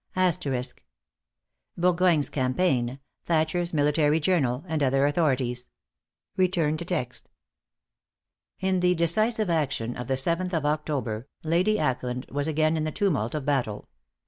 Burgoyne's Campaign; Thatcher's Military Journal; and other authorities. In the decisive action of the seventh of October, Lady Ackland was again in the tumult of battle.